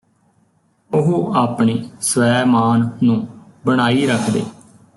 ਉਹ ਆਪਣੇ ਸਵੈਮਾਨ ਨੂੰ ਬਣਾਈ ਰੱਖਦੇ